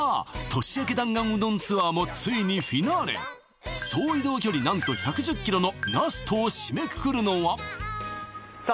年明け弾丸うどんツアーもついにフィナーレ総移動距離何と１１０キロのラストを締めくくるのはさあ